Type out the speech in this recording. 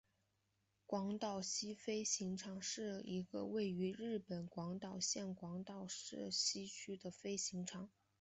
广岛西飞行场是一个位于日本广岛县广岛市西区的飞行场。